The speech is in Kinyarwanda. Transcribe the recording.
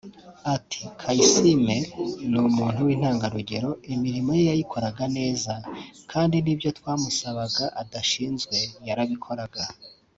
Ati “Kayisime ni umuntu w’intangarugero imirimo ye yayikoraga neza kandi nibyo twamusabaga adashinzwe yarabikoraga